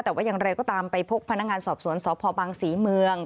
แต่ว่าอย่างไรก็ตามไปพบพนักงานสอบสวนสพบังศรีเมือง